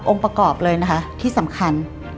ประกอบเลยนะคะที่สำคัญ